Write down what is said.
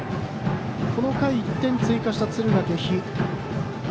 この回１点追加した敦賀気比。